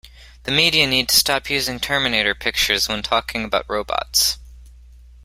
The media need to stop using Terminator pictures when talking about Robots.